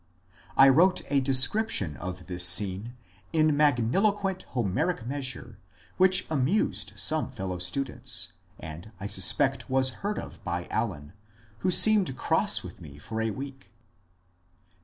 I wrote a description of this scene in magniloquent Homeric measure which amused some fellow students, and I suspect was heard of by Allen, who seemed cross with me for a week.